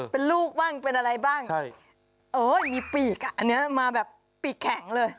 เป็นลูกบ้างเป็นอะไรบ้างใช่เอ้ยมีปีกอ่ะอันนี้มาแบบปีกแข็งเลย